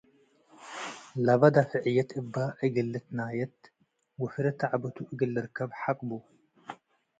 ለበ ደፍዕየት እበ እግል ልትናየት ወፍሬ ተዕበቱ እግል ልርከብ ሐቅ ቡ።